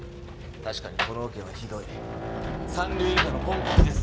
確かにこのオケはひどい三流以下のポンコツです。